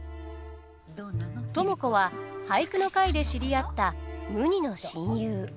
知子は俳句の会で知り合った無二の親友。